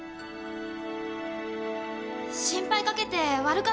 心配かけて悪かったな。